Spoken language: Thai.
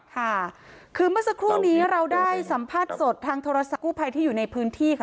ค่ะคือเมื่อสักครู่นี้เราได้สัมภาษณ์สดทางโทรศัพท์กู้ภัยที่อยู่ในพื้นที่ค่ะ